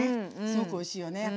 すごくおいしいよね。